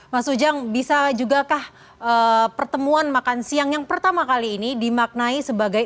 mas ujang bisa jugakah pertemuan makan siang yang pertama kali ini dimaknai sebagai